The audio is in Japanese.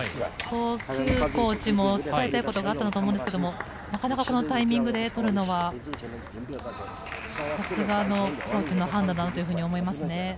キュウコーチも伝えたいことがあったと思うんですけどなかなかこのタイミングでとるのはさすがのコーチの判断だなと思いますね。